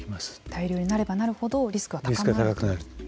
大量になればなるほどリスクは高まると。